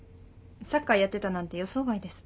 サッカーやってたなんて予想外です。